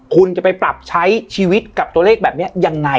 คุณจะไปปรับใช้ชีวิตกับตัวเลขแบบนี้ยังไง